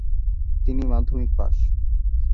তিনি মাধ্যমিক পাশ।